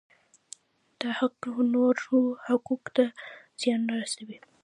دا حق نورو حقوقو ته زیان نه رسوي.